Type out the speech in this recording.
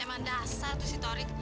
emang dasar tuh si torik